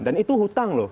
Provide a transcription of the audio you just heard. dan itu hutang loh